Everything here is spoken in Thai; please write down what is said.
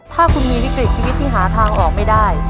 ถ้าคุณมีวิกฤตชีวิตที่หาทางออกไม่ได้